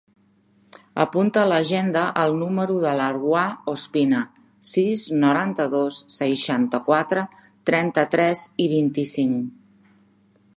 Apunta a l'agenda el número de l'Arwa Ospina: sis, noranta-dos, seixanta-quatre, trenta-tres, vint-i-cinc.